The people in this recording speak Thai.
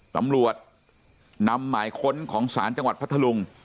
ตำรวจนำหมายค้นของศาลจังหวัดพัทธลุง